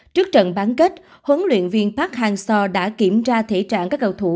trước trận bán kết huấn luyện viên park hang seo đã kiểm tra thể trạng các cầu thủ